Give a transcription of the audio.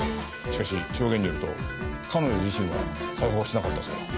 しかし証言によると彼女自身は裁縫をしなかったそうだ。